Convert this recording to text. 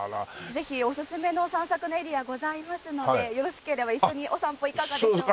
ぜひおすすめの散策のエリアございますのでよろしければ一緒にお散歩いかがでしょうか？